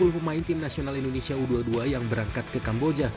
sepuluh pemain tim nasional indonesia u dua puluh dua yang berangkat ke kamboja